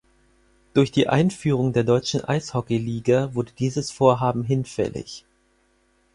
Durch die Einführung der Deutschen Eishockey Liga wurde dieses Vorhaben hinfällig.